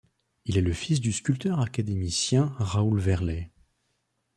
Il est le fils du sculpteur académicien Raoul Verlet.